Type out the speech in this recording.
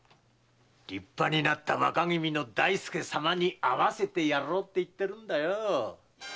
立派になった若君の大助様に会わせてやろうっていってんだよ。